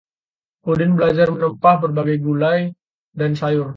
Udin belajar merempah berbagai gulai dan sayur